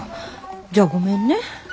じゃあごめんね。